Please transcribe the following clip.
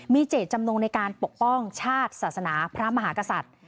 มีเจตจำนงในการปกป้องชาติศาสนาพระมหากษัตริย์